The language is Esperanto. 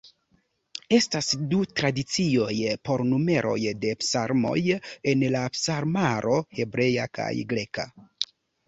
Estas du tradicioj por numeroj de psalmoj en la psalmaro: hebrea kaj greka.